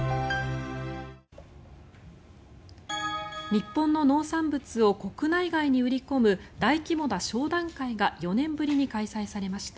日本の農産物を国内外に売り込む大規模な商談会が４年ぶりに開催されました。